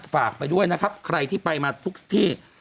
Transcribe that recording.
ฝากไปด้วยนะครับใครที่ไปมาทุกที่